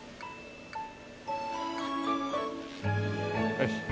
よし。